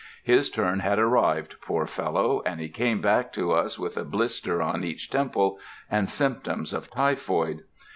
His turn had arrived, poor fellow, and he came back to us with a blister on each temple, and symptoms of typhoid.